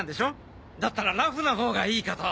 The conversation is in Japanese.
だったらラフなほうがいいかと。